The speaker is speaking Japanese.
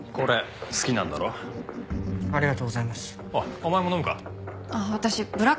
お前も飲むか？